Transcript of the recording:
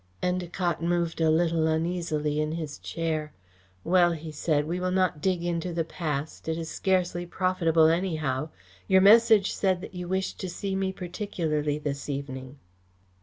Endacott moved a little uneasily in his chair. "Well," he said, "we will not dig into the past. It is scarcely profitable, anyhow. Your message said that you wished to see me particularly this evening."